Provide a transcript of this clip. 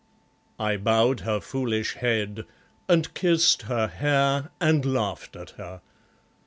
I bowed her foolish head, And kissed her hair and laughed at her.